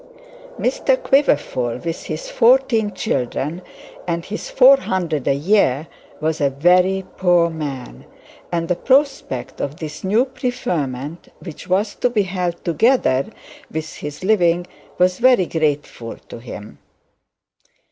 Mr Quiverful, with his fourteen children and his four hundred a year, was a very poor man, and the prospect of this new preferment, which was to be held together with his living, was very grateful to him.